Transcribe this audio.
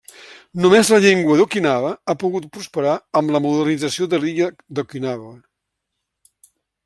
Només la llengua d'Okinawa ha pogut prosperar amb la modernització de l'illa d'Okinawa.